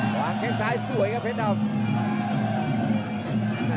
แข้งซ้ายสวยครับเพชรดำ